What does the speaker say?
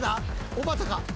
おばたか。